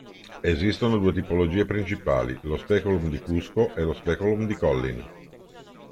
Esistono due tipologie principali, lo speculum di Cusco e lo speculum di Collin.